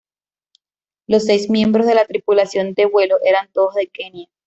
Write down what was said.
Los seis miembros de la tripulación de vuelo eran todos de Kenia.